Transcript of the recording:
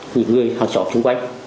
những người hàng xóm xung quanh